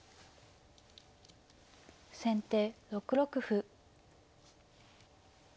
先手６六歩。